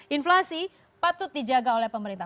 inflasi patut dijaga oleh pemerintah